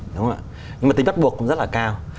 nhưng mà tính bắt buộc cũng rất là cao